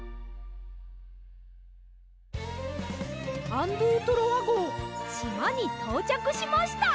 アン・ドゥ・トロワごうしまにとうちゃくしました！